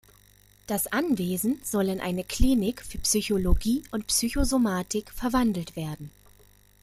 Das Anwesen soll in eine Klinik für Psychologie und Psychosomatik verwandelt werden.